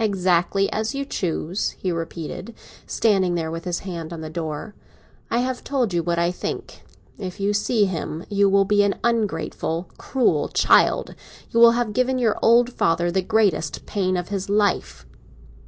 "Exactly as you choose," he repeated, standing there with his hand on the door. "I have told you what I think. If you see him, you will be an ungrateful, cruel child; you will have given your old father the greatest pain of his life."